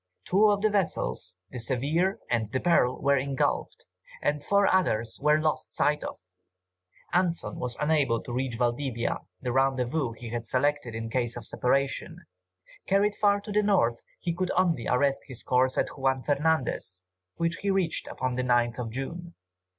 Two of the vessels, the Severe and the Pearl, were engulfed, and four others were lost sight of. Anson was unable to reach Valdivia, the rendezvous he had selected in case of separation; carried far to the north, he could only arrest his course at Juan Fernandez, which he reached upon the 9th of June.